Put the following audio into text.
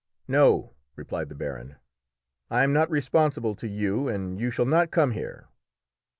"No," replied the baron, "I am not responsible to you, and you shall not come here!"